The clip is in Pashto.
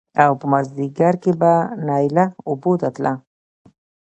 او په مازديګر کې به نايله اوبو ته تله